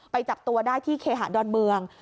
จับตัวได้ที่เคหาดอนเมือง